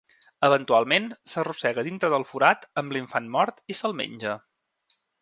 Eventualment, s'arrossega dintre del forat amb l'infant mort i s'el menja.